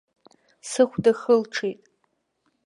Сыхәда хылҽит!